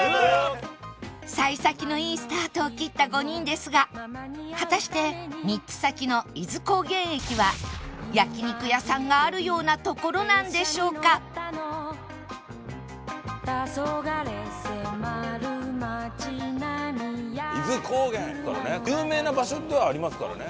幸先のいいスタートを切った５人ですが果たして３つ先の伊豆高原駅は焼肉屋さんがあるような所なんでしょうか？ですね。